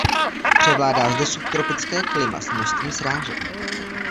Převládá zde subtropické klima s množstvím srážek.